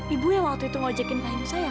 ibu yang waktu itu mau ojekin pahimu saya kan